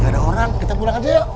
gak ada orang kita pulang aja yuk